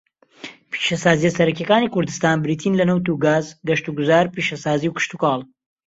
پیشەسازییە سەرەکییەکانی کوردستان بریتین لە نەوت و گاز، گەشتوگوزار، پیشەسازی، و کشتوکاڵ.